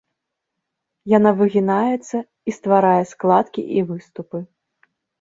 Яна выгінаецца і стварае складкі і выступы.